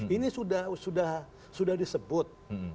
ini sudah disebut